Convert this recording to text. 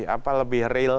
apa yang lebih real